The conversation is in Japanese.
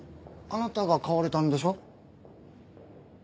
あなたが買われたんでしょ？